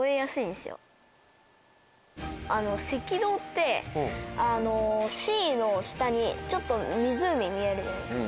赤道ってＣの下にちょっと湖見えるじゃないですか。